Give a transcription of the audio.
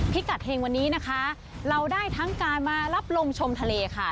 พิกัดเฮงวันนี้นะคะเราได้ทั้งการมารับลมชมทะเลค่ะ